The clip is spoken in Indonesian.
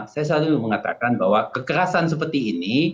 saya selalu mengatakan bahwa kekerasan seperti ini